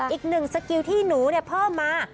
อีกหนึ่งสกิลที่หนูเพิ่มมา